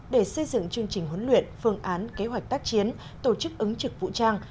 để xây dựng chương trình huấn luyện phương án kế hoạch tác chiến tổ chức ứng trực vũ trang